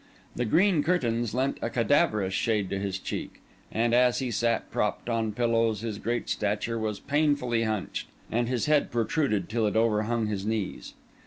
The green curtains lent a cadaverous shade to his cheek; and, as he sat propped on pillows, his great stature was painfully hunched, and his head protruded till it overhung his knees.